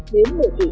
đến một mươi tỷ usd